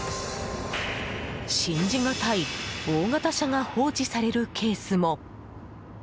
信じがたい大型車が放置されるケースも。